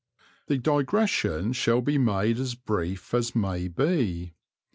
The digression shall be made as brief as may be.